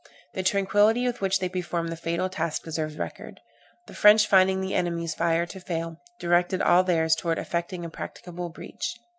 The tranquillity with which they performed this fatal task deserves record. The French, finding the enemy's fire to fail, directed all theirs towards effecting a practicable breach.